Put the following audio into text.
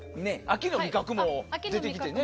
秋の味覚も出てきてね。